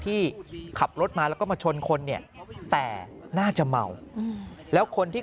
ที่ขับรถมาแล้วก็มาชนคนเนี่ยแต่น่าจะเมาแล้วคนที่